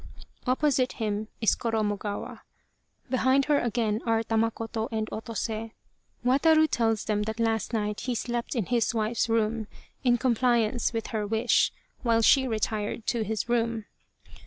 Opposite him is Koromogawa. Behind her again are Tamakoto and Otose. Wataru tells them that last night he slept in his wife's room in compliance with her wish, while she retired to his room.